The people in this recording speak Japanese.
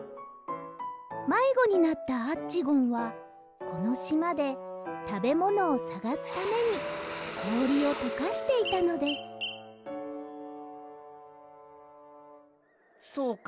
まいごになったアッチゴンはこのしまでたべものをさがすためにこおりをとかしていたのですそうか